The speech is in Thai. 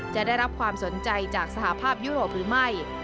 จะได้รับความสนใจจากสหภาพยุโรปหรือไม่